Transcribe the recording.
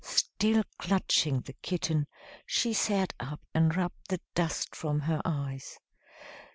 Still clutching the kitten, she sat up and rubbed the dust from her eyes.